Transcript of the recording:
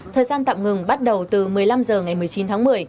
thời gian tạm ngừng bắt đầu từ một mươi năm h ngày một mươi sáu h